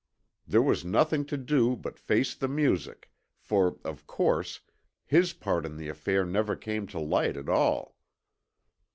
There was nothing to do but face the music, for, of course, his part in the affair never came to light at all."